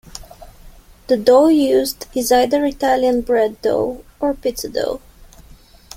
The dough used is either Italian bread dough or pizza dough.